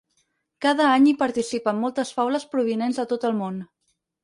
Cada any, hi participen moltes faules provinents de tot el món.